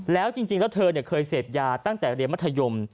แล้วจริงแล้วเธอเคยเสพยาตั้งแต่เรียนมัธยม